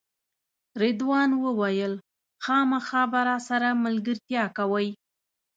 رضوان وویل خامخا به راسره ملګرتیا کوئ.